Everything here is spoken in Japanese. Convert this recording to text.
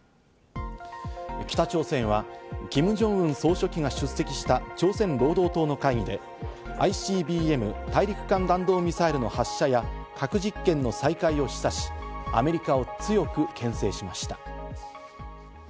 北朝鮮はキム・ジョンウン総書記が出席した朝鮮労働党の会議で、ＩＣＢＭ＝大陸間弾道ミサイルの発射や核実験の再開を示唆し、アメリカを強くけん制しました。